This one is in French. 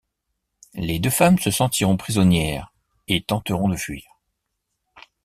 Les deux femmes se sentiront prisonnières et tenteront de fuir.